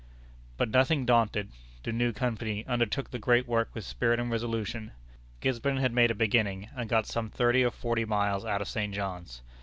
But nothing daunted, the new Company undertook the great work with spirit and resolution. Gisborne had made a beginning, and got some thirty or forty miles out of St. John's.